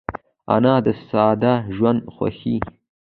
انا د ساده ژوند خوښوي